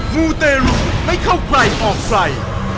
มูเตรุไม่เข้าใครออกใคร